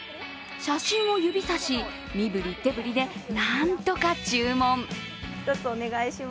写真を指さし、身振り手振りでなんとか注文。